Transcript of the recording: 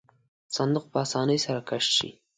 صندوق په آسانۍ سره کش شي.